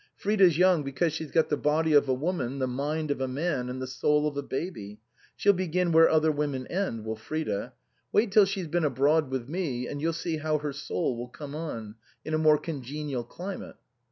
Frida's young because she's got the body of a woman, the mind of a man, and the soul of a baby. She'll begin where other women end, will Frida. Wait till she's been abroad with me, and you'll see how her soul will come on, in a more congenial climate."